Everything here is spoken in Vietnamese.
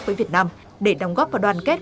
với việt nam để đóng góp vào đoàn kết